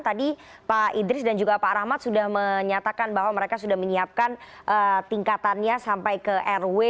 tadi pak idris dan juga pak rahmat sudah menyatakan bahwa mereka sudah menyiapkan tingkatannya sampai ke rw